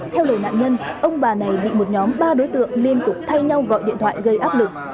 theo lời nạn nhân ông bà này bị một nhóm ba đối tượng liên tục thay nhau gọi điện thoại gây áp lực